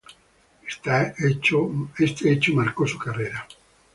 Este hecho marcó su carrera.